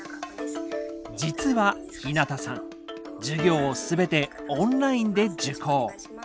実は日向さん授業を全てオンラインで受講。